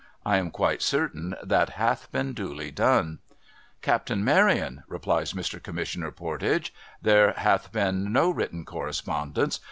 I am quite certain that hath been duly done.' ' Captain Maryon,' replies Mr. Commissioner Pordage, ' there hath been no written correspondence.